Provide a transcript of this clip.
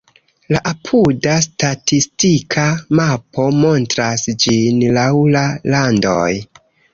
La apuda statistika mapo montras ĝin laŭ la landoj.